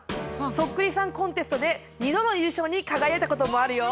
そっくりさんコンテストで２度の優勝に輝いたこともあるよ。